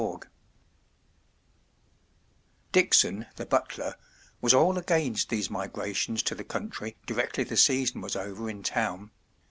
ICKSON, the butler, was all against these migrations to the country directly the season was over in town.